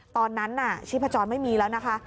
ตอนนั้นน่ะชีพจรไม่มีแล้วนะคะ